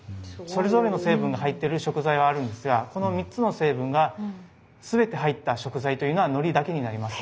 それぞれの成分が入ってる食材はあるんですがこの３つの成分が全て入った食材というのはのりだけになります。